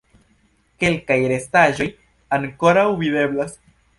Kelkaj restaĵoj ankoraŭ videblas.